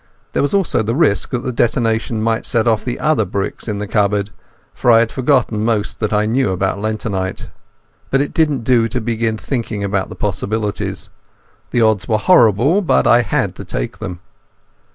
There was also the risk that the detonation might set off the other bricks in the cupboard, for I had forgotten most that I knew about lentonite. But it didn't do to begin thinking about the possibilities. The odds were horrible, but I had to take them.